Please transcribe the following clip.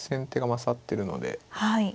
はい。